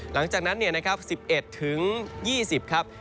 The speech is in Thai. หลังจากนั้น๑๑ถึง๒๐ครับ